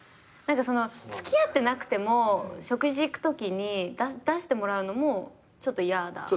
付き合ってなくても食事行くときに出してもらうのもちょっとやだ。